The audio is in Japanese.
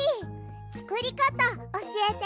つくりかたおしえて！